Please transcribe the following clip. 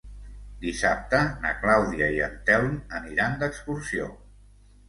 Dissabte na Clàudia i en Telm aniran d'excursió.